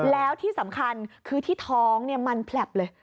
แล้วที่สำคัญคือที่ท้องมันแผลบเลย